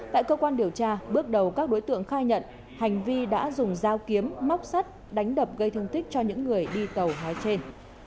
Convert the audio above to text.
tại cơ quan điều tra bước đầu các đối tượng khai nhận hành vi đã dùng dao kiếm móc sắt đánh đập gây thương tích cho những người đi tàu nói trên